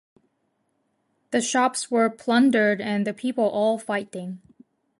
The shops were plundered and the people all fighting.